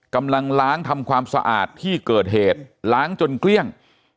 กำลังล้างทำความสะอาดที่เกิดเหตุล้างจนเกลี้ยง